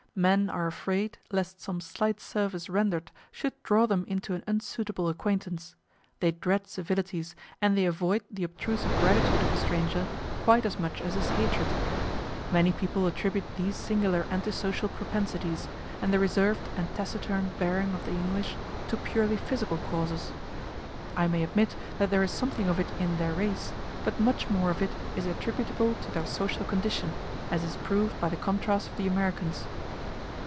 Men are afraid lest some slight service rendered should draw them into an unsuitable acquaintance; they dread civilities, and they avoid the obtrusive gratitude of a stranger quite as much as his hatred. Many people attribute these singular anti social propensities, and the reserved and taciturn bearing of the English, to purely physical causes. I may admit that there is something of it in their race, but much more of it is attributable to their social condition, as is proved by the contrast of the Americans.